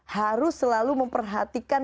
harus selalu memperhatikan